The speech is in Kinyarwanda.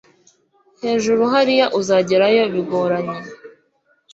hejuru hariya uzagerayo bigoranye